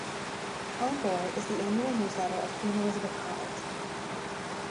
"Envoy" is the annual newsletter of Queen Elizabeth College.